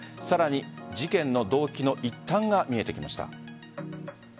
さらに事件の動機の一端が見えてきました。